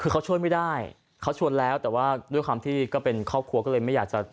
คือเขาช่วยไม่ได้เขาชวนแล้วแต่ว่าด้วยความที่ก็เป็นครอบครัวก็เลยไม่อยากจะ